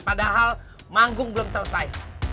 padahal manggung belum selesai